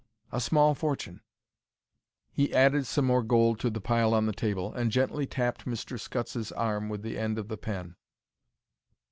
A small fortune." He added some more gold to the pile on the table, and gently tapped Mr. Scutts's arm with the end of the pen.